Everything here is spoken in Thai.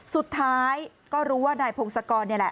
สุดท้ายก็รู้ว่านายพงศกร